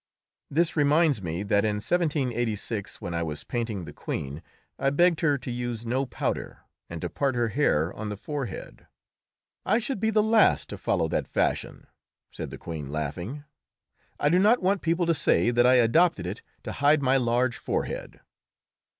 This reminds me that in 1786, when I was painting the Queen, I begged her to use no powder, and to part her hair on the forehead. "I should be the last to follow that fashion," said the Queen, laughing; "I do not want people to say that I adopted it to hide my large forehead."